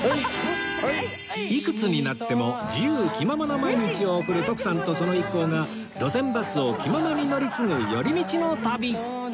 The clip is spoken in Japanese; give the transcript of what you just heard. いくつになっても自由気ままな毎日を送る徳さんとその一行が路線バスを気ままに乗り継ぐ寄り道の旅